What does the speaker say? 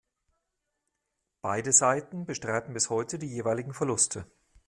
Beide Seiten bestreiten bis heute die jeweiligen Verluste.